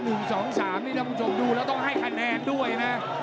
๑๒๓นี่ถ้ามงสงฆ์ดูแล้วต้องให้คะแนนด้วยนะ